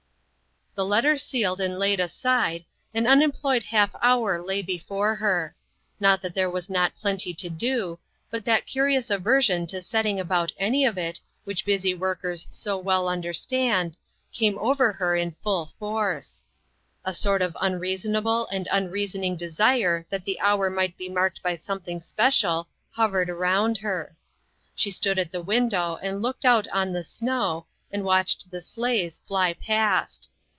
The letter sealed and laid aside, an un employed half hour lay before her ; not that there was not plenty to do, but that curi ous aversion to setting about any of it, which busy workers so well understand^ came over her in full force. A sort of unreason able and unreasoning desire that the hour might be marked by something special hov ered around her. She stood at the window and looked out on the snow, and watched the sleighs fly past.